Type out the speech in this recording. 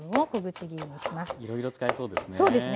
いろいろ使えそうですね。